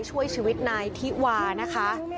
ช่วยชีวิตนายธิวานะคะ